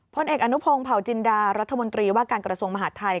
พลเอกอนุโพงเป่าจินดารัฐมนตรีว่าการกรสวงศ์มหาดไทย